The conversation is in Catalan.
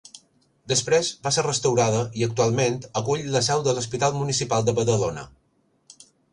Després va ser restaurada i actualment acull la seu de l'Hospital Municipal de Badalona.